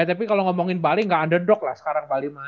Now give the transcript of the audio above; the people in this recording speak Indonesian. ya tapi kalau ngomongin bali gak underdog lah sekarang bali mah